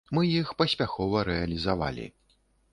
Мы іх паспяхова рэалізавалі.